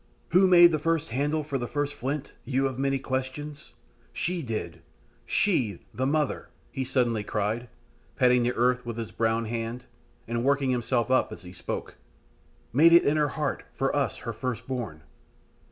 "Who made the first handle for the first flint, you of the many questions? She did she, the Mother," he suddenly cried, patting the earth with his brown hand, and working himself up as he spoke, "made it in her heart for us her first born.